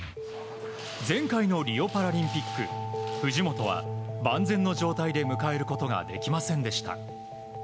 前回のリオパラリンピック藤本は万全の状態で迎えることができませんでした。